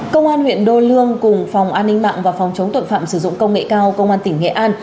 công an huyện đô lương cùng phòng an ninh mạng và phòng chống tội phạm sử dụng công nghệ cao công an tỉnh nghệ an